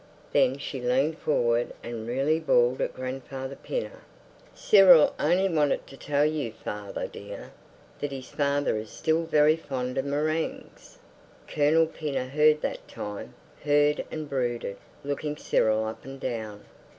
Then she leaned forward and really bawled at Grandfather Pinner, "Cyril only wanted to tell you, father dear, that his father is still very fond of meringues." Colonel Pinner heard that time, heard and brooded, looking Cyril up and down.